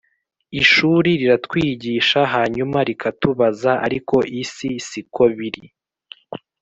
ishuri riratwigisha hanyuma rikatubaza ariko isi siko biri